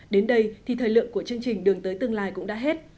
đến đây thì thời lượng của chương trình đường tới tương lai cũng đã hết